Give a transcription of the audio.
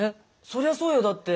そりゃそうよだって。